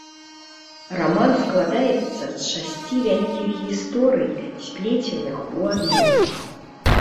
Раман складаецца з шасці вялікіх гісторый, сплеценых у адну.